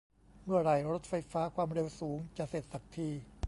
เมื่อไหร่รถไฟฟ้าความเร็วสูงจะเสร็จสักที